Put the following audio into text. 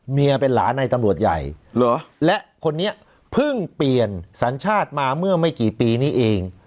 เมียเป็นหลานในตำรวจใหญ่และคนนี้เพิ่งเปลี่ยนสัญชาติมาเมื่อไม่กี่ปีนี้เอง